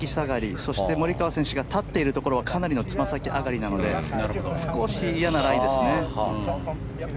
そして、モリカワ選手が立っているところはかなりのつま先上がりなので少し嫌なライですね。